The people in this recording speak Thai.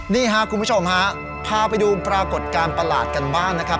นี่ครับคุณผู้ชมฮะพาไปดูปรากฏการณ์ประหลาดกันบ้างนะครับ